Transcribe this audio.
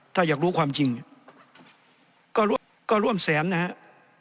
ถ้าอยากรู้ความจริงก็ร่วมแสนนะครับ